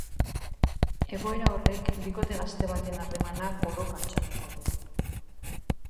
Egoera horrek bikote gazte baten harremana kolokan jarriko du.